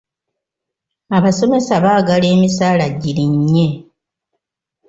Abasomesa baagala emisaala girinnye.